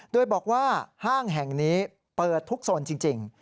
โดยบอกว่าห้างแห่งนี้เปิดทุกโซนจริง